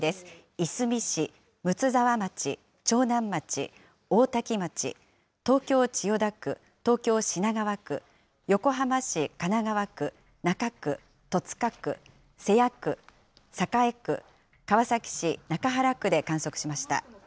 いすみ市、睦沢町、長南町、大多喜町、東京・千代田区、東京・品川区、横浜市神奈川区、中区、戸塚区、瀬谷区、栄区、川崎市中原区で観測しました。